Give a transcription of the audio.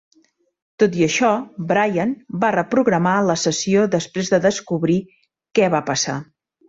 Tot i això, Brian va reprogramar la sessió després de descobrir què va passar.